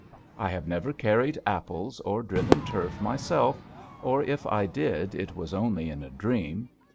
I have never carried apples or driven turf myself, or if I did it was only in a dream.